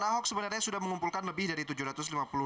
teman ahok sebenarnya sudah mengumpulkan lebih dari tujuh ratus ribu